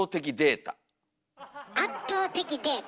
圧倒的データ。